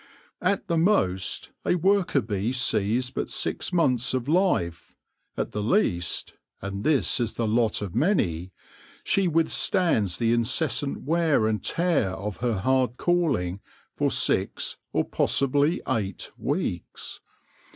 At the most, a worker bee sees but six months of life : at the least — and this is the lot of many — she withstands the incessant wear and tear of her hard calling for six, or possibly eight, weeks.